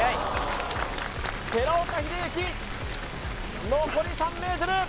寺岡秀幸残り３ｍ！